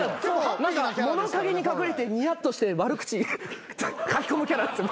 物陰に隠れてニヤッとして悪口書き込むキャラ。